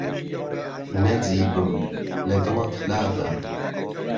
نهجیبم - له دڵت لاده